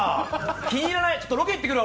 気に入らない、ちょっとロケ行ってくるわ。